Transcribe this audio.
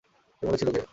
এর মূলে ছিল কে?